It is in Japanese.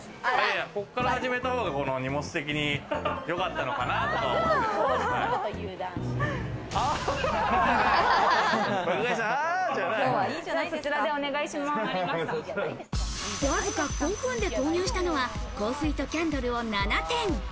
あぁ、そちらでお願いしまわずか５分で購入したのは香水とキャンドルを７点。